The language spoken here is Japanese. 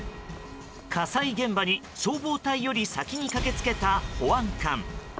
火災現場に消防隊より先に駆け付けた保安官。